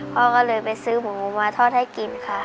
พ่อก็เลยไปซื้อหมูมาทอดให้กินค่ะ